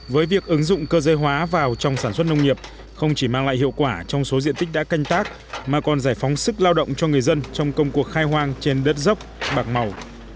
với việc ứng dụng cơ giới hóa vào trong sản xuất nông nghiệp không chỉ mang lại hiệu quả trong số diện tích đã canh tác mà còn giải phóng sức lao động cho người dân trong công cuộc khai hoang trên đất dốc bạc màu